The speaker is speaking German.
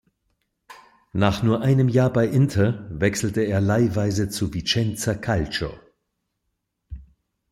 Nach nur einem Jahr bei Inter wechselte er leihweise zu Vicenza Calcio.